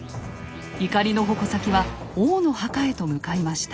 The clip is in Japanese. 怒りの矛先は王の墓へと向かいました。